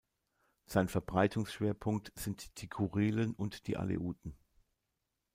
Sein Verbreitungsschwerpunkt sind die Kurilen und die Aleuten.